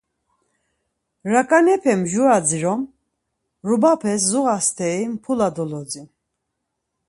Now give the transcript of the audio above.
Raǩanepe mjura dzirom, rubapes zuğa steri mpula dolodzin.